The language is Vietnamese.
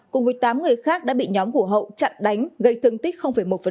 cùng với tám người khác đã bị nhóm của hậu chặn đánh gây thương tích một